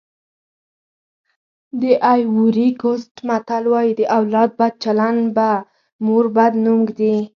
د ایوُري کوسټ متل وایي د اولاد بد چلند په مور بد نوم ږدي.